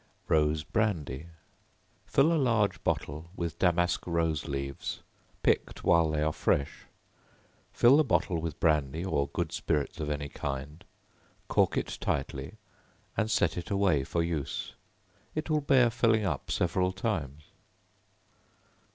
Rose Brandy. Fill a large bottle with damask rose leaves, picked while they are fresh; fill the bottle with brandy, or good spirits of any kind; cork it tightly and set it away for use. It will bear filling up several times.